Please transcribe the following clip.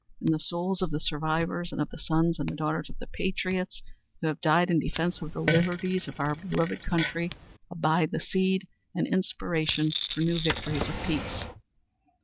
In the souls of the survivors and of the sons and daughters of the patriots who have died in defence of the liberties of our beloved country abide the seed and inspiration for new victories of peace.